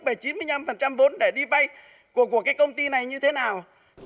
về chín mươi năm vốn để đi vay của cái công ty này như thế nào